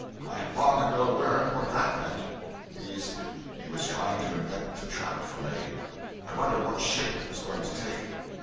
I had long ago learned what that meant; viz., he was trying to invent a trap for me. I wondered what shape it was going to take.